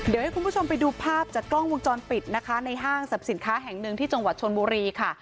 เดี๋ยวให้คุณผู้ชมไปดูภาพจากกล้องวงจรปิดนะคะในห้างสรรพสินค้าแห่งหนึ่งที่จังหวัดชนบุรีค่ะ